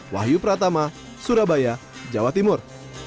wahyu pratama surabaya jawa timur